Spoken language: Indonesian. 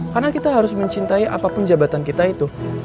karena kita harus mencintai apapun jabatan kita itu